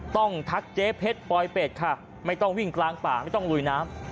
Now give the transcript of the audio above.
ทักเจ๊เพชรปลอยเป็ดค่ะไม่ต้องวิ่งกลางป่าไม่ต้องลุยน้ำ